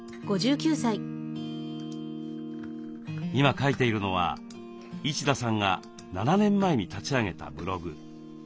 今書いているのは一田さんが７年前に立ち上げたブログ。